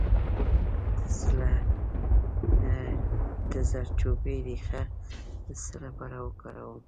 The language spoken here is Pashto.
د زردچوبې ریښه د څه لپاره وکاروم؟